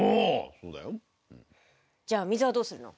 そうだよ。じゃあ水はどうするの？